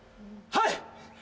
はい！